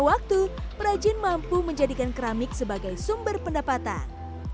waktu perajin mampu menjadikan keramik sebagai sumber pendapatan